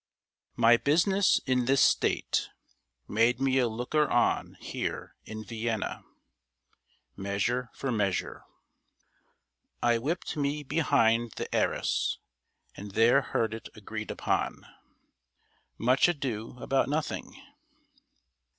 My business in this State Made me a looker on here in Vienna. MEASURE FOR MEASURE. I whipped me behind the arras, and there heard it agreed upon. MUCH ADO ABOUT NOTHING.